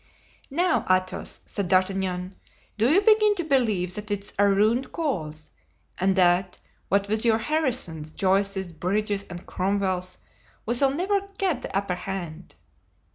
"Now, Athos!" said D'Artagnan, "do you begin to believe that it's a ruined cause, and that what with your Harrisons, Joyces, Bridges and Cromwells, we shall never get the upper hand?"